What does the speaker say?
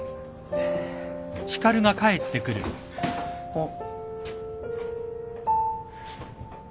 あっ。